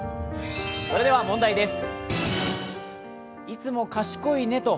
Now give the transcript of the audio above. それでは問題です。